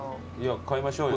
買いましょうよ。